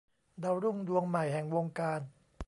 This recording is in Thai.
ดาวรุ่งดวงใหม่แห่งวงการ